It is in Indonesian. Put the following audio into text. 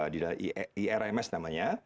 di dalam irms namanya